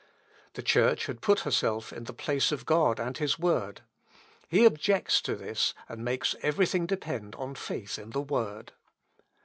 The Church had put herself in the place of God and his word; he objects to this, and makes every thing depend on faith in the word.